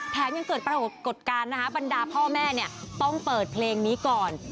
ยังเกิดปรากฏการณ์นะคะบรรดาพ่อแม่เนี่ยต้องเปิดเพลงนี้ก่อน